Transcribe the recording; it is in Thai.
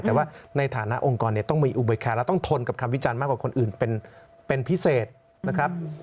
แต่ว่าในฐานะองค์กรต้องมีอุบลแคร์และต้องทนกับคำวิจารณ์มากกว่าคนอื่นเป็นพิเศษนะครับ